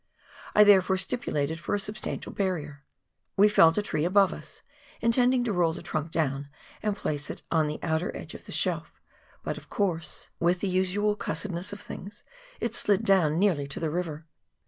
I therefore stipulated for a substantial barrier. We felled a tree above us, intending to roll the trunk down and place it on the outer edge of the shelf ; but of course, with the usual 186 PIONEER WORK IN THE ALPS OF NEW ZEALAND. cussedness of things, it slid down nearly to tlie river.